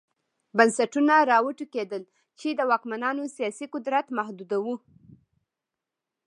بنسټونه را وټوکېدل چې د واکمنانو سیاسي قدرت محدوداوه.